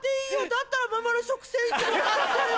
だったらママの食洗機も買ってよ。